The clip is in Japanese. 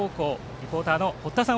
リポーターの堀田さん